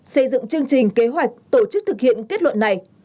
xây dựng chương trình kế hoạch tổ chức thực hiện kết luận này